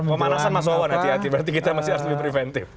pemanasan mas wawan hati hati berarti kita masih harus lebih preventif